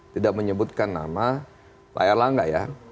tidak menyebutkan nama bayarlah enggak ya